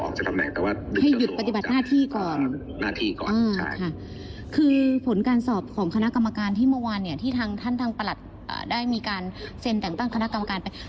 คือผลการสอบของคณะกรรมการที่เมื่อวานเนี่ยที่ทางท่านทางประหลัดได้มีการเซ็นแต่งตั้งคณะกรรมการไป